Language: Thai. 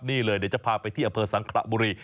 นี่เลยเดี๋ยวจะพาไปที่อำเภอสังขระบุรี